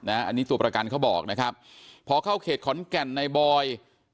อันนี้ตัวประกันเขาบอกนะครับพอเข้าเขตขอนแก่นในบอย